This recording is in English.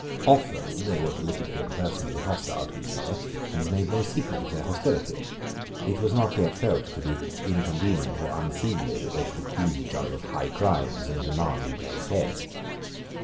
Often they were politically and personally hostile to each other, and made no secret of their hostility. It was not yet felt to be inconvenient or unseemly that they should accuse each other of high crimes, and demand each other's heads.